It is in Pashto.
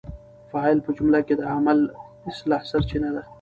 فاعل په جمله کي د عمل اصلي سرچینه ده.